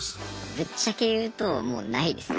ぶっちゃけ言うともうないですね。